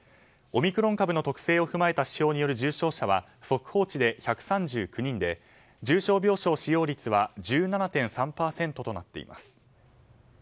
オミクロン株の特性を踏まえた指標による重症者は速報値で１３９人で重症病床使用率は１７．３％となっています。